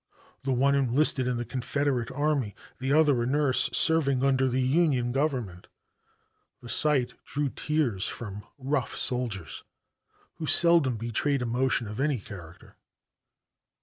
The one enlisted in the Confederate army, the other a nurse serving under the Union Government. The sight drew tears from rough soldiers who seldom betrayed emotion of any character.